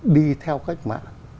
đi theo cách mạng